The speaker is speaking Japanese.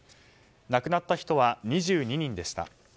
亡くなった人は２２人でした。